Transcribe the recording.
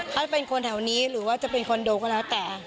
ถ้าเป็นคนแถวนี้หรือว่าจะเป็นคอนโดก็แล้วแต่